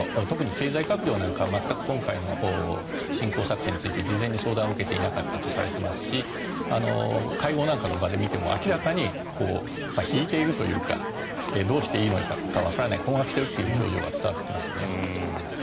特に経済閣僚なんかは全く今回の侵攻作戦について事前に相談を受けていなかったとされていますし会合なんかの場で見ても明らかに引いているというかどうしていいのかわからない困惑しているという表情が伝わってきますよね。